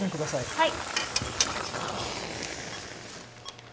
はい。